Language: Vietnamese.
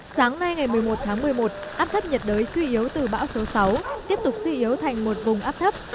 sáng nay ngày một mươi một tháng một mươi một áp thấp nhiệt đới suy yếu từ bão số sáu tiếp tục suy yếu thành một vùng áp thấp